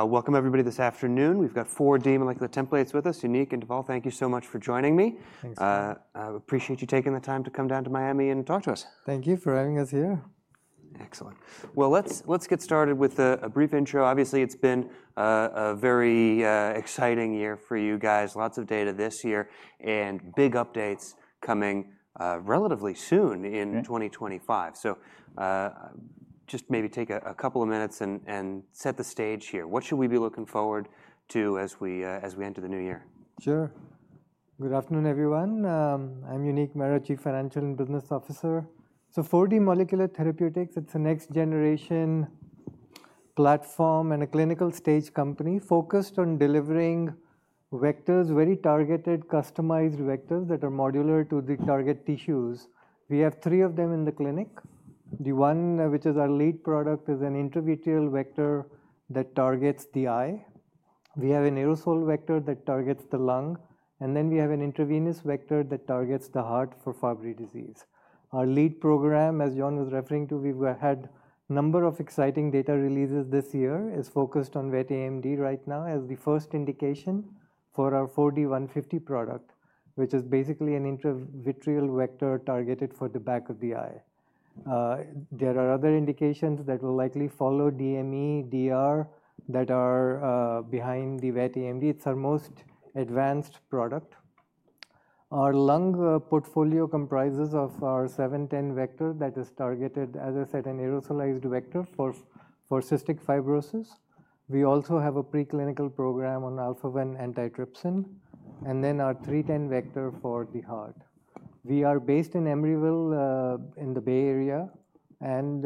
Welcome, everybody, this afternoon. We've got 4D Molecular Therapeutics team with us. Uneek and Dhaval, thank you so much for joining me. Thanks. I appreciate you taking the time to come down to Miami and talk to us. Thank you for having us here. Excellent. Well, let's get started with a brief intro. Obviously, it's been a very exciting year for you guys. Lots of data this year and big updates coming relatively soon in 2025. So just maybe take a couple of minutes and set the stage here. What should we be looking forward to as we enter the new year? Sure. Good afternoon, everyone. I'm Uneek Mehra, Chief Financial and Business Officer. So 4D Molecular Therapeutics, it's a next-generation platform and a clinical stage company focused on delivering vectors, very targeted, customized vectors that are modular to the target tissues. We have three of them in the clinic. The one, which is our lead product, is an intravitreal vector that targets the eye. We have an aerosolized vector that targets the lung. And then we have an intravitreal vector that targets the heart for Fabry disease. Our lead program, as John was referring to, we've had a number of exciting data releases this year, is focused on wet AMD right now as the first indication for our 4D-150 product, which is basically an intravitreal vector targeted for the back of the eye. There are other indications that will likely follow DME, DR that are behind the wet AMD. It's our most advanced product. Our lung portfolio comprises of our 4D-710 vector that is targeted, as I said, an aerosolized vector for cystic fibrosis. We also have a preclinical program on alpha-1 antitrypsin. And then our 4D-310 vector for the heart. We are based in Emeryville in the Bay Area. And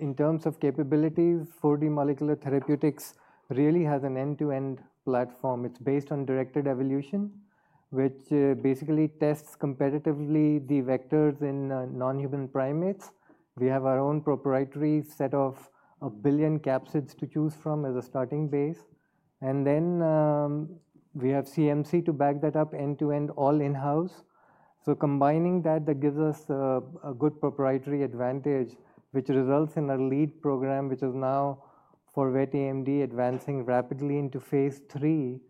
in terms of capabilities, 4D Molecular Therapeutics really has an end-to-end platform. It's based on directed evolution, which basically tests competitively the vectors in non-human primates. We have our own proprietary set of a billion capsids to choose from as a starting base. And then we have CMC to back that up end-to-end, all in-house. So combining that, that gives us a good proprietary advantage, which results in our lead program, which is now for wet AMD advancing rapidly Phase III,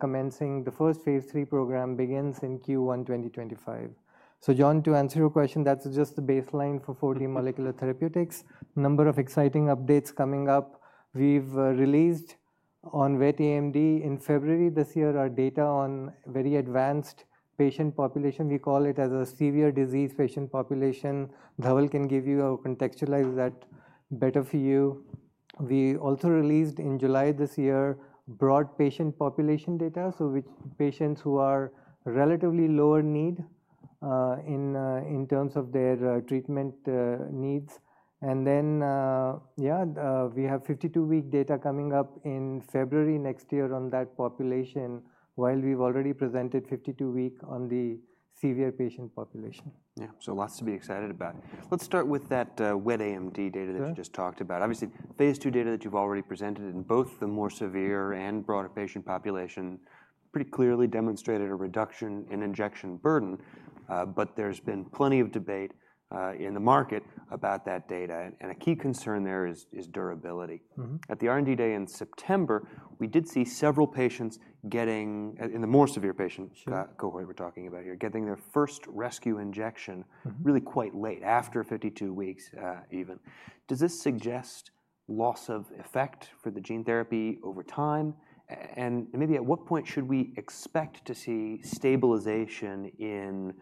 commencing the first Phase program begins in Q1 2025. So John, to answer your question, that's just the baseline for 4D Molecular Therapeutics. Number of exciting updates coming up. We've released on wet AMD in February this year our data on very advanced patient population. We call it as a severe disease patient population. Dhaval can give you or contextualize that better for you. We also released in July this year broad patient population data, so which patients who are relatively lower need in terms of their treatment needs. And then, yeah, we have 52-week data coming up in February next year on that population, while we've already presented 52-week on the severe patient population. Yeah, so lots to be excited about. Let's start with that wet AMD data that you just talked about. Obviously, Phase 2 data that you've already presented in both the more severe and broader patient population pretty clearly demonstrated a reduction in injection burden. But there's been plenty of debate in the market about that data. And a key concern there is durability. At the R&D day in September, we did see several patients getting, in the more severe patient cohort we're talking about here, getting their first rescue injection really quite late after 52 weeks even. Does this suggest loss of effect for the gene therapy over time? And maybe at what point should we expect to see stabilization in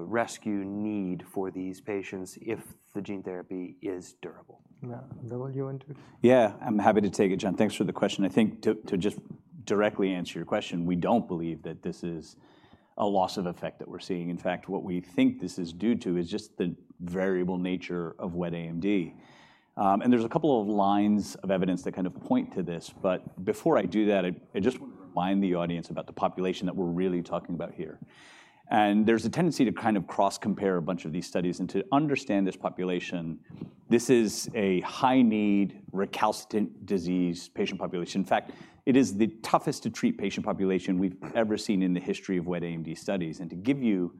rescue need for these patients if the gene therapy is durable? Yeah, Dhaval, you want to? Yeah, I'm happy to take it, John. Thanks for the question. I think to just directly answer your question, we don't believe that this is a loss of effect that we're seeing. In fact, what we think this is due to is just the variable nature of wet AMD. And there's a couple of lines of evidence that kind of point to this. But before I do that, I just want to remind the audience about the population that we're really talking about here. And there's a tendency to kind of cross-compare a bunch of these studies and to understand this population. This is a high-need, recalcitrant disease patient population. In fact, it is the toughest to treat patient population we've ever seen in the history of wet AMD studies. To give you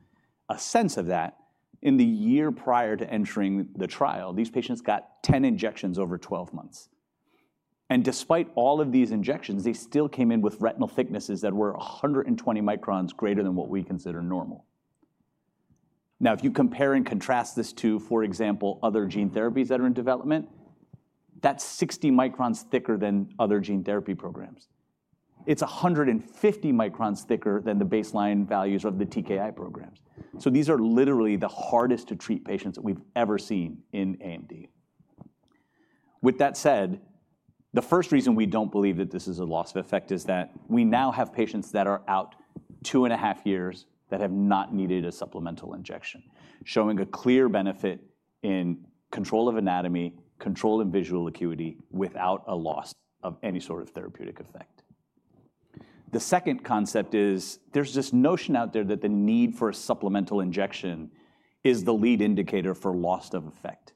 a sense of that, in the year prior to entering the trial, these patients got 10 injections over 12 months. Despite all of these injections, they still came in with retinal thicknesses that were 120 microns greater than what we consider normal. Now, if you compare and contrast this to, for example, other gene therapies that are in development, that's 60 microns thicker than other gene therapy programs. It's 150 microns thicker than the baseline values of the TKI programs. These are literally the hardest to treat patients that we've ever seen in AMD. With that said, the first reason we don't believe that this is a loss of effect is that we now have patients that are out two and a half years that have not needed a supplemental injection, showing a clear benefit in control of anatomy, control of visual acuity without a loss of any sort of therapeutic effect. The second concept is there's this notion out there that the need for a supplemental injection is the lead indicator for loss of effect.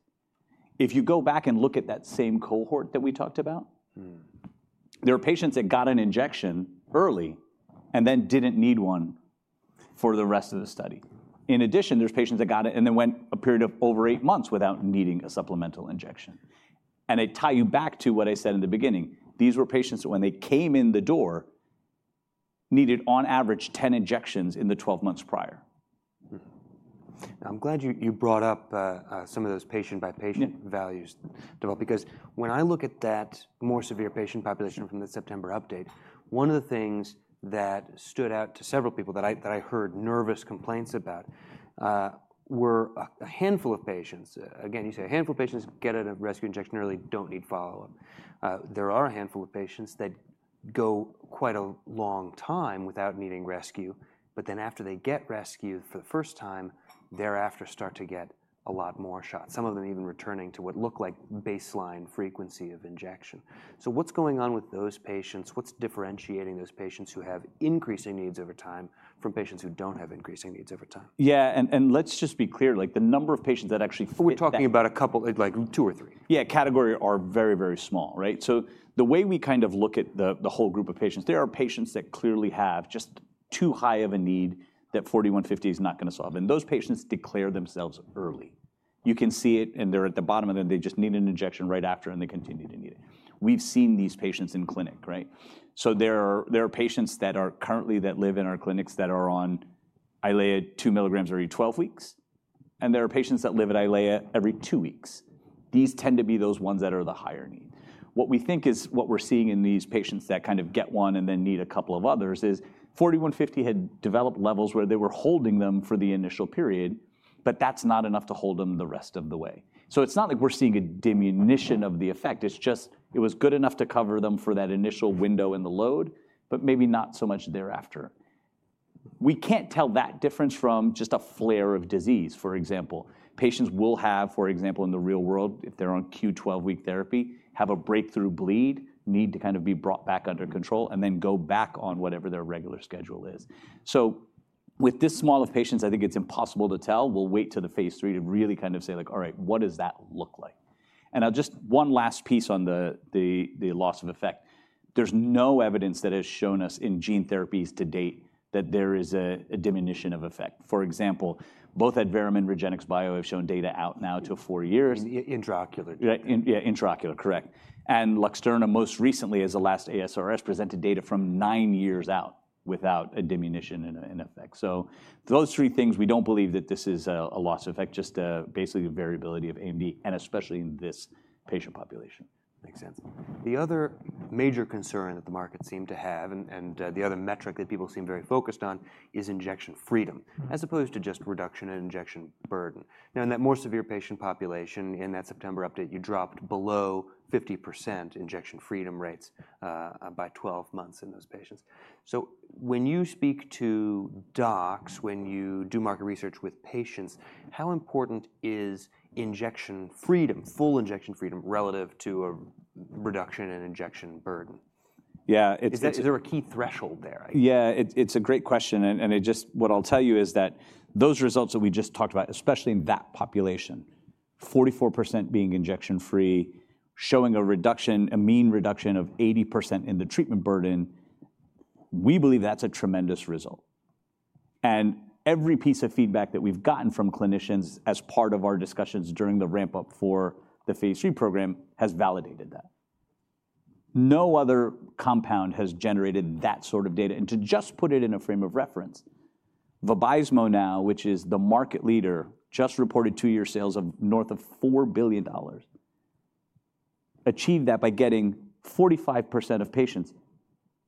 If you go back and look at that same cohort that we talked about, there are patients that got an injection early and then didn't need one for the rest of the study. In addition, there's patients that got it and then went a period of over eight months without needing a supplemental injection, and I tie it back to what I said in the beginning. These were patients that when they came in the door needed, on average, 10 injections in the 12 months prior. I'm glad you brought up some of those patient-by-patient values, Dhaval, because when I look at that more severe patient population from the September update, one of the things that stood out to several people that I heard nervous complaints about were a handful of patients. Again, you say a handful of patients get a rescue injection early, don't need follow-up. There are a handful of patients that go quite a long time without needing rescue. But then after they get rescued for the first time, thereafter start to get a lot more shots, some of them even returning to what looked like baseline frequency of injection. So what's going on with those patients? What's differentiating those patients who have increasing needs over time from patients who don't have increasing needs over time? Yeah, and let's just be clear, like the number of patients that actually frequently. We're talking about a couple, like two or three. Yeah, categories are very, very small, right? So the way we kind of look at the whole group of patients, there are patients that clearly have just too high of a need that 4D-150 is not going to solve. And those patients declare themselves early. You can see it, and they're at the bottom of it, and they just need an injection right after, and they continue to need it. We've seen these patients in clinic, right? So there are patients that are currently that live in our clinics that are on Eylea two milligrams every 12 weeks. And there are patients that live on Eylea every two weeks. These tend to be those ones that are the higher need. What we think is what we're seeing in these patients that kind of get one and then need a couple of others is 4D-150 had developed levels where they were holding them for the initial period, but that's not enough to hold them the rest of the way. So it's not like we're seeing a diminution of the effect. It's just it was good enough to cover them for that initial window in the load, but maybe not so much thereafter. We can't tell that difference from just a flare of disease, for example. Patients will have, for example, in the real world, if they're on Q12 week therapy, have a breakthrough bleed, need to kind of be brought back under control, and then go back on whatever their regular schedule is. So with this small of patients, I think it's impossible to tell. We'll wait till the Phase III to really kind of say, like, all right, what does that look like, and just one last piece on the loss of effect. There's no evidence that has shown us in gene therapies to date that there is a diminution of effect. For example, both Adverum and REGENXBIO have shown data out now to four years. Intraocular. Yeah, intraocular, correct. And Luxterna most recently, at last ASRS, presented data from nine years out without a diminution in effect. So those three things, we don't believe that this is a loss of effect, just basically the variability of AMD, and especially in this patient population. Makes sense. The other major concern that the market seemed to have, and the other metric that people seem very focused on, is injection freedom as opposed to just reduction in injection burden. Now, in that more severe patient population in that September update, you dropped below 50% injection freedom rates by 12 months in those patients. So when you speak to docs, when you do market research with patients, how important is injection freedom, full injection freedom relative to a reduction in injection burden? Yeah. Is there a key threshold there? Yeah, it's a great question. And just what I'll tell you is that those results that we just talked about, especially in that population, 44% being injection free, showing a reduction, a mean reduction of 80% in the treatment burden, we believe that's a tremendous result. And every piece of feedback that we've gotten from clinicians as part of our discussions during the ramp-up for Phase III program has validated that. No other compound has generated that sort of data. And to just put it in a frame of reference, Vabysmo now, which is the market leader, just reported two-year sales of north of $4 billion, achieved that by getting 45% of patients,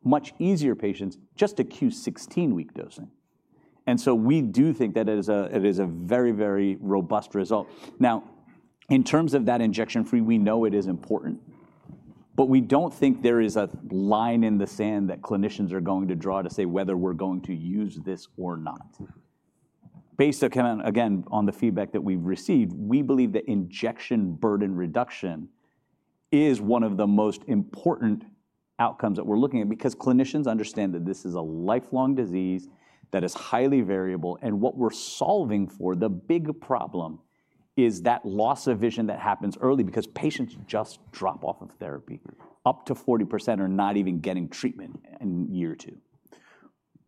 much easier patients, just to Q16 week dosing. And so we do think that it is a very, very robust result. Now, in terms of that injection free, we know it is important. But we don't think there is a line in the sand that clinicians are going to draw to say whether we're going to use this or not. Based again on the feedback that we've received, we believe that injection burden reduction is one of the most important outcomes that we're looking at because clinicians understand that this is a lifelong disease that is highly variable. And what we're solving for, the big problem, is that loss of vision that happens early because patients just drop off of therapy. Up to 40% are not even getting treatment in year two.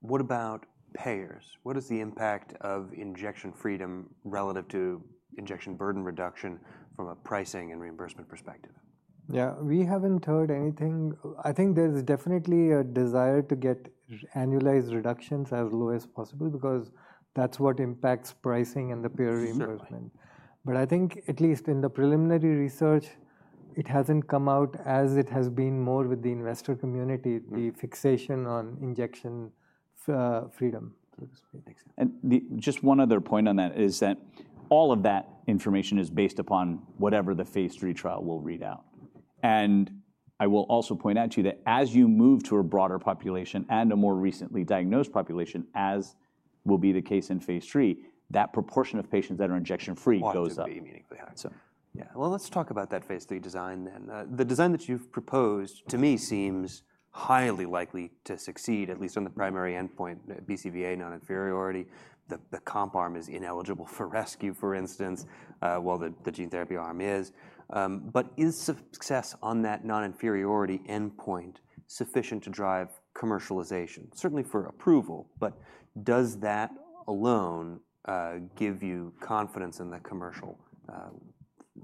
What about payers? What is the impact of injection freedom relative to injection burden reduction from a pricing and reimbursement perspective? Yeah, we haven't heard anything. I think there is definitely a desire to get annualized reductions as low as possible because that's what impacts pricing and the payer reimbursement. But I think at least in the preliminary research, it hasn't come out as it has been more with the investor community, the fixation on injection freedom, so to speak. Just one other point on that is that all of that information is based upon whatever Phase III trial will read out. I will also point out to you that as you move to a broader population and a more recently diagnosed population, as will be the case Phase III, that proportion of patients that are injection free goes up. Wants to be immediately higher. Yeah, well, let's talk about that Phase III design then. The design that you've proposed to me seems highly likely to succeed, at least on the primary endpoint, BCVA non-inferiority. The comp arm is ineligible for rescue, for instance, while the gene therapy arm is. But is success on that non-inferiority endpoint sufficient to drive commercialization, certainly for approval? But does that alone give you confidence in the commercial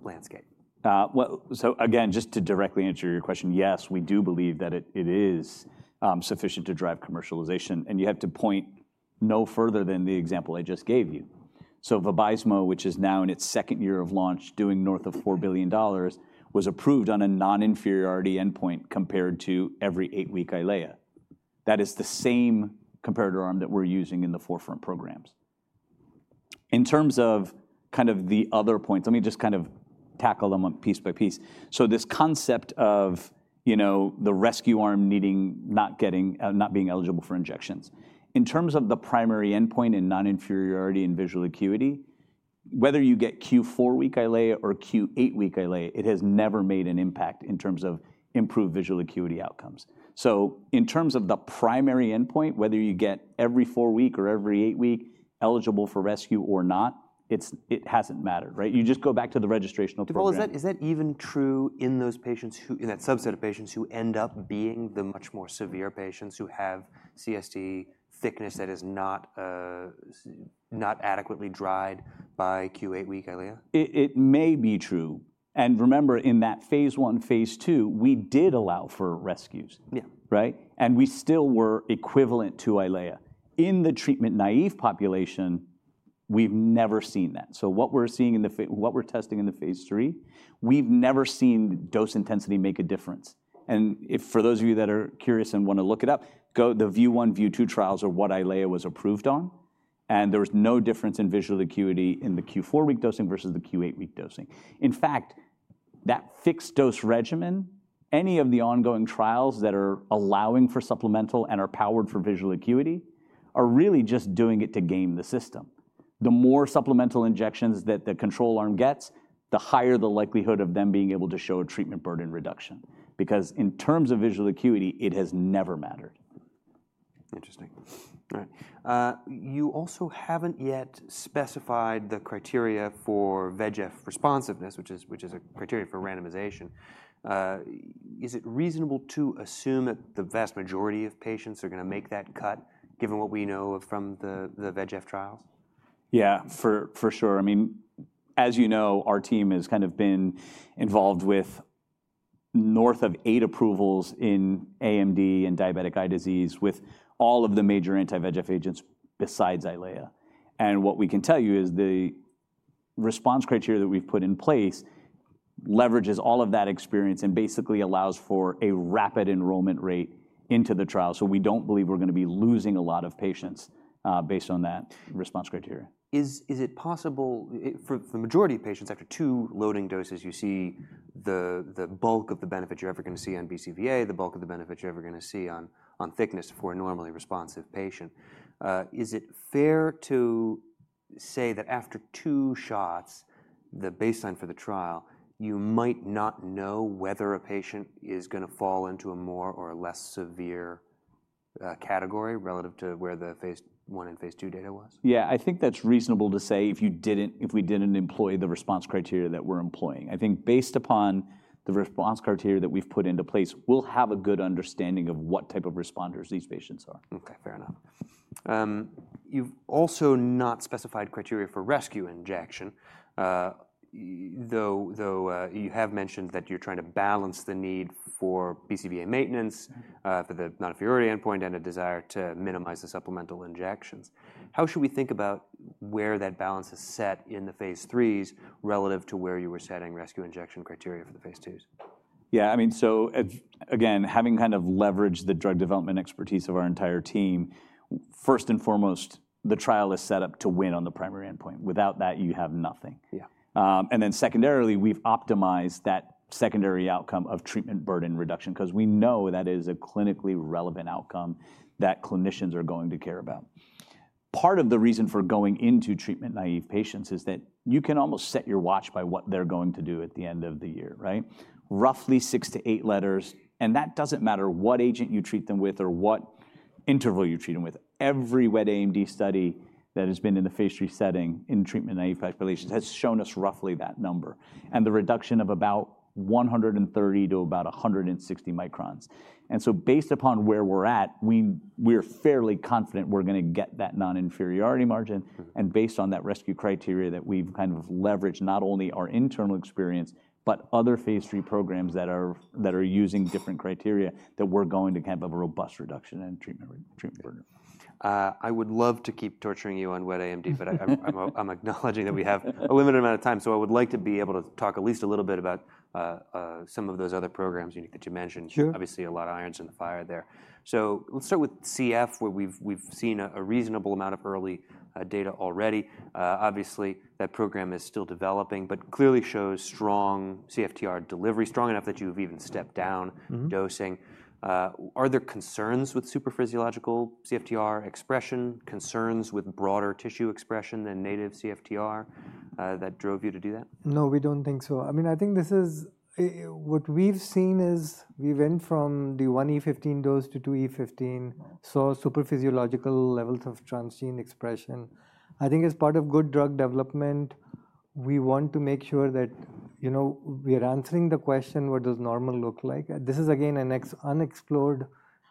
landscape? So again, just to directly answer your question, yes, we do believe that it is sufficient to drive commercialization. And you have to point no further than the example I just gave you. So Vabysmo, which is now in its second year of launch doing north of $4 billion, was approved on a non-inferiority endpoint compared to every eight-week Eylea. That is the same comparator arm that we're using in the forefront programs. In terms of kind of the other points, let me just kind of tackle them piece by piece. So this concept of the rescue arm needing not getting, not being eligible for injections. In terms of the primary endpoint in non-inferiority and visual acuity, whether you get Q4 week Eylea or Q8 week Eylea, it has never made an impact in terms of improved visual acuity outcomes. So in terms of the primary endpoint, whether you get every four week or every eight week eligible for rescue or not, it hasn't mattered, right? You just go back to the registrational program. Dhaval, is that even true in those patients who, in that subset of patients who end up being the much more severe patients who have CST thickness that is not adequately dried by Q8 week Eylea? It may be true. And remember, in that Phase I and Phase II, we did allow for rescues, right? And we still were equivalent to Eylea. In the treatment naive population, we've never seen that. So what we're seeing in the, what we're testing in Phase III, we've never seen dose intensity make a difference. And for those of you that are curious and want to look it up, the VIEW 1, VIEW 2 trials are what Eylea was approved on. And there was no difference in visual acuity in the Q4 week dosing versus the Q8 week dosing. In fact, that fixed dose regimen, any of the ongoing trials that are allowing for supplemental and are powered for visual acuity are really just doing it to game the system. The more supplemental injections that the control arm gets, the higher the likelihood of them being able to show a treatment burden reduction because in terms of visual acuity, it has never mattered. Interesting. All right. You also haven't yet specified the criteria for VEGF responsiveness, which is a criteria for randomization. Is it reasonable to assume that the vast majority of patients are going to make that cut given what we know from the VEGF trials? Yeah, for sure. I mean, as you know, our team has kind of been involved with north of eight approvals in AMD and diabetic eye disease with all of the major anti-VEGF agents besides Eylea. And what we can tell you is the response criteria that we've put in place leverages all of that experience and basically allows for a rapid enrollment rate into the trial. So we don't believe we're going to be losing a lot of patients based on that response criteria. Is it possible for the majority of patients after two loading doses, you see the bulk of the benefit you're ever going to see on BCVA, the bulk of the benefit you're ever going to see on thickness for a normally responsive patient? Is it fair to say that after two shots, the baseline for the trial, you might not know whether a patient is going to fall into a more or less severe category relative to where the Phase I and Phase II data was? Yeah, I think that's reasonable to say if we didn't employ the response criteria that we're employing. I think based upon the response criteria that we've put into place, we'll have a good understanding of what type of responders these patients are. Okay, fair enough. You've also not specified criteria for rescue injection, though you have mentioned that you're trying to balance the need for BCVA maintenance for the non-inferiority endpoint and a desire to minimize the supplemental injections. How should we think about where that balance is set in the Phase IIIs relative to where you were setting rescue injection criteria for the Phase 2s? Yeah, I mean, so again, having kind of leveraged the drug development expertise of our entire team, first and foremost, the trial is set up to win on the primary endpoint. Without that, you have nothing. And then secondarily, we've optimized that secondary outcome of treatment burden reduction because we know that is a clinically relevant outcome that clinicians are going to care about. Part of the reason for going into treatment naive patients is that you can almost set your watch by what they're going to do at the end of the year, right? Roughly six to eight letters. And that doesn't matter what agent you treat them with or what interval you treat them with. Every wet AMD study that has been in Phase III setting in treatment naive population has shown us roughly that number and the reduction of about 130-160 microns. Based upon where we're at, we're fairly confident we're going to get that non-inferiority margin. Based on that rescue criteria that we've kind of leveraged, not only our internal experience, but Phase III programs that are using different criteria, that we're going to have a robust reduction in treatment burden. I would love to keep torturing you on wet AMD, but I'm acknowledging that we have a limited amount of time. So I would like to be able to talk at least a little bit about some of those other programs that you mentioned. Obviously, a lot of irons in the fire there. So let's start with CF, where we've seen a reasonable amount of early data already. Obviously, that program is still developing, but clearly shows strong CFTR delivery, strong enough that you've even stepped down dosing. Are there concerns with super physiological CFTR expression, concerns with broader tissue expression than native CFTR that drove you to do that? No, we don't think so. I mean, I think this is what we've seen is we went from the one E15 dose to two E15, saw super physiological levels of transgene expression. I think as part of good drug development, we want to make sure that we are answering the question, what does normal look like? This is again an unexplored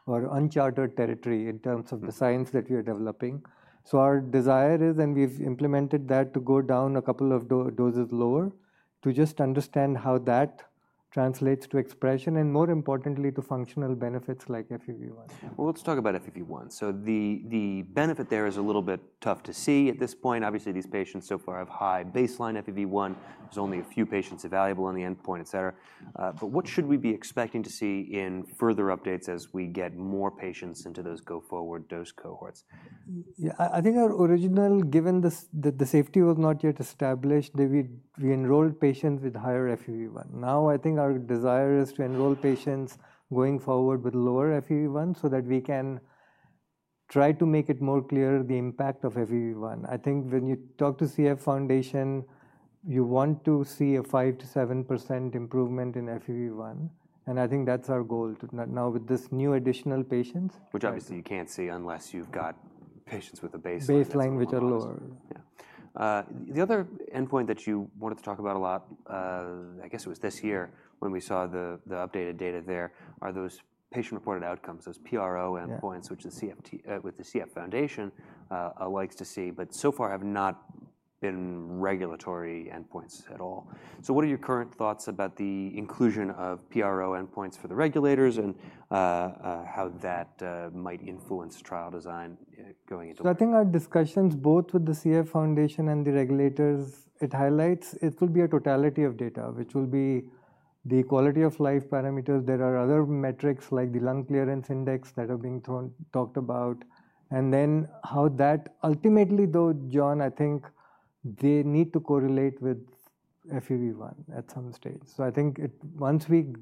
or uncharted territory in terms of the science that we are developing. So our desire is, and we've implemented that to go down a couple of doses lower to just understand how that translates to expression and more importantly, to functional benefits like FEV1. Let's talk about FEV1. The benefit there is a little bit tough to see at this point. Obviously, these patients so far have high baseline FEV1. There's only a few patients available on the endpoint, et cetera. What should we be expecting to see in further updates as we get more patients into those go forward dose cohorts? Yeah, I think our original, given that the safety was not yet established, we enrolled patients with higher FEV1. Now, I think our desire is to enroll patients going forward with lower FEV1 so that we can try to make it more clear the impact of FEV1. I think when you talk to CF Foundation, you want to see a 5%-7% improvement in FEV1, and I think that's our goal now with this new additional patients. Which obviously you can't see unless you've got patients with a baseline. Baseline, which are lower. Yeah. The other endpoint that you wanted to talk about a lot, I guess it was this year when we saw the updated data there, are those patient-reported outcomes, those PRO endpoints, which the CF Foundation likes to see, but so far have not been regulatory endpoints at all. So what are your current thoughts about the inclusion of PRO endpoints for the regulators and how that might influence trial design going into? So I think our discussions, both with the CF Foundation and the regulators, it highlights it will be a totality of data, which will be the quality of life parameters. There are other metrics like the lung clearance index that are being talked about. And then how that ultimately, though, John, I think they need to correlate with FEV1 at some stage. So I think once we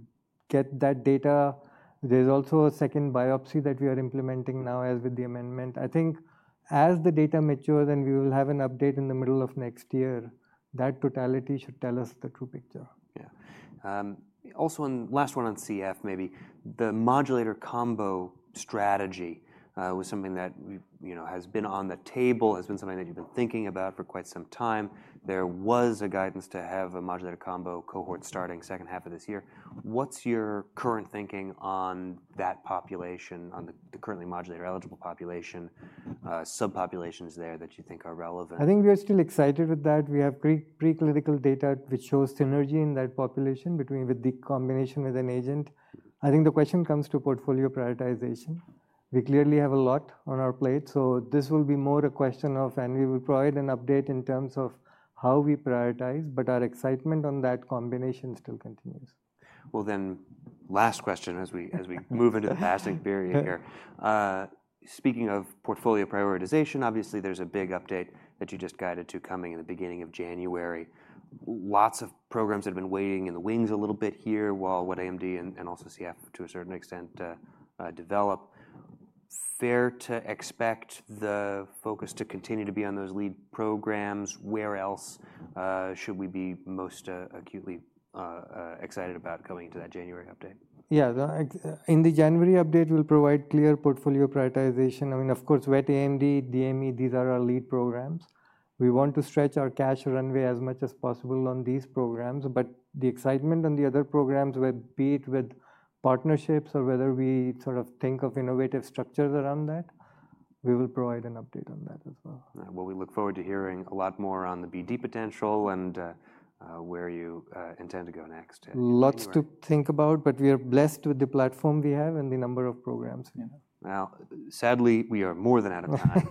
get that data, there's also a second biopsy that we are implementing now as with the amendment. I think as the data matures and we will have an update in the middle of next year, that totality should tell us the true picture. Yeah. Also, last one on CF, maybe the modulator combo strategy was something that has been on the table, has been something that you've been thinking about for quite some time. There was a guidance to have a modulator combo cohort starting second half of this year. What's your current thinking on that population, on the currently modulator eligible population, subpopulations there that you think are relevant? I think we are still excited with that. We have pre-clinical data which shows synergy in that population with the combination with an agent. I think the question comes to portfolio prioritization. We clearly have a lot on our plate. So this will be more a question of, and we will provide an update in terms of how we prioritize, but our excitement on that combination still continues. Last question as we move into the passing period here. Speaking of portfolio prioritization, obviously there's a big update that you just guided to coming in the beginning of January. Lots of programs that have been waiting in the wings a little bit here while wet AMD and also CF to a certain extent develop. Fair to expect the focus to continue to be on those lead programs? Where else should we be most acutely excited about coming into that January update? Yeah, in the January update, we'll provide clear portfolio prioritization. I mean, of course, wet AMD, DME, these are our lead programs. We want to stretch our cash runway as much as possible on these programs. But the excitement on the other programs, be it with partnerships or whether we sort of think of innovative structures around that, we will provide an update on that as well. We look forward to hearing a lot more on the BD potential and where you intend to go next. Lots to think about, but we are blessed with the platform we have and the number of programs. Sadly, we are more than out of time.